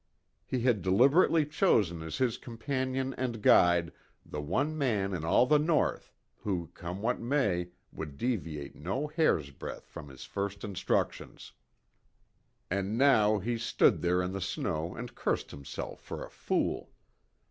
He had deliberately chosen as his companion and guide the one man in all the North who, come what may, would deviate no hair's breadth from his first instructions. And now, he stood there in the snow and cursed himself for a fool.